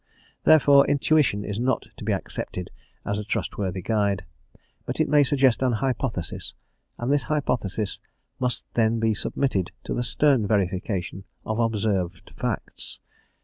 Therefore, intuition is not to be accepted as a trustworthy guide, but it may suggest an hypothesis, and this hypothesis must then be submitted to the stern verification of observed facts.